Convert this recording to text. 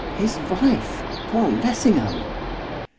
His wife! Paul Lessingham!